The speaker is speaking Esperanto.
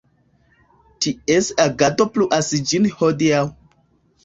Ties agado pluas ĝis hodiaŭ.